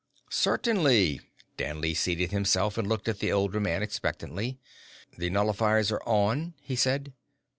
"Certainly." Danley seated himself and looked at the older man expectantly. "The nullifiers are on," he said.